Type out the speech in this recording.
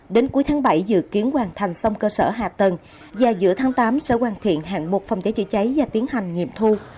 đến cuối tháng bảy dự kiến hoàn thành xong cơ sở hạ tầng và giữa tháng tám sẽ hoàn thiện hạng mục phòng cháy chữa cháy và tiến hành nghiệm thu